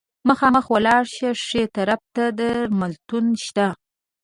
مخامخ ولاړ شه، ښي طرف ته درملتون شته.